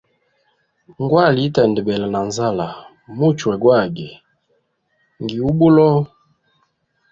Ngwali yi tandabele na nzala, muchwe gwagwe ngi ubulo.